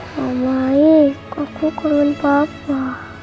mama ik aku kangen papa